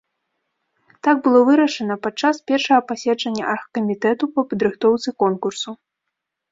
Так было вырашана падчас першага паседжання аргкамітэту па падрыхтоўцы конкурсу.